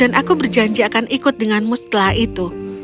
dan aku berjanji akan ikut denganku setelah itu